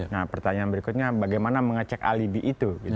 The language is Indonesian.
nah pertanyaan berikutnya bagaimana mengecek alibi itu